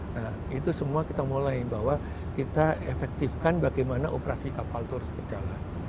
nah itu semua kita mulai bahwa kita efektifkan bagaimana operasi kapal terus berjalan